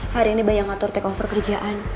hari ini banyak yang ngatur takeover kerjaan